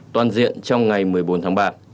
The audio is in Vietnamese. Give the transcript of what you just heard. toàn diện trong ngày một mươi bốn tháng ba